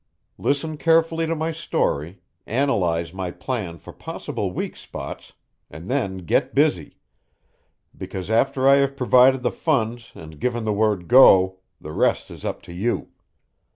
"Listen carefully to my story, analyze my plan for possible weak spots, and then get busy, because after I have provided the funds and given the word 'Go!' the rest is up to you.